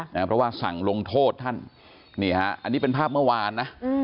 เพราะว่าสั่งลงโทษท่านนี่ฮะอันนี้เป็นภาพเมื่อวานนะ